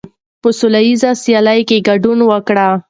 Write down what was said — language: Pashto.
په سوله ییزه سیالۍ کې ګډون وکړئ.